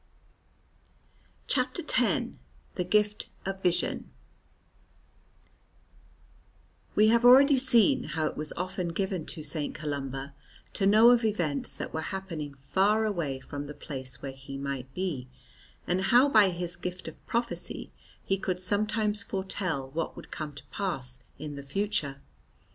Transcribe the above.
CHAPTER X THE GIFT OF VISION WE have already seen how it was often given to St. Columba to know of events that were happening far away from the place where he might be, and how by his gift of prophecy he could sometimes foretell what would come to pass in the future.